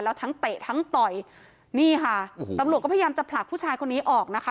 แล้วทั้งเตะทั้งต่อยนี่ค่ะโอ้โหตำรวจก็พยายามจะผลักผู้ชายคนนี้ออกนะคะ